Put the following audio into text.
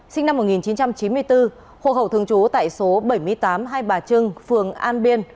sinh năm một nghìn chín trăm chín mươi bốn hộ khẩu thường trú tại số bảy mươi tám hai bà trưng phường an biên